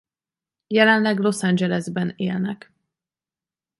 Jelenleg Los Angelesben élnek.